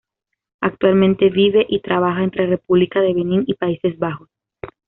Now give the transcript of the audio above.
Actualmente vive y trabaja entre República de Benín y Países Bajos.